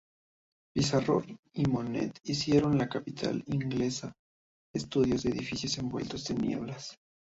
Pissarro y Monet hicieron en la capital inglesa estudios de edificios envueltos en nieblas.